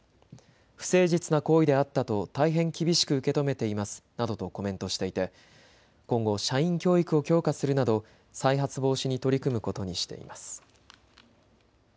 不誠実な行為であったと大変厳しく受け止めていますなどとコメントしていて今後、社員教育を強化するなど再発防止に取り組むことにしています。